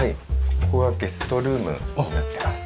ここはゲストルームになってます。